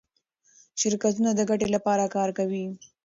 شرکتونه د ګټې لپاره کار کوي.